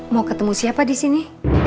mau ketemu siapa di sini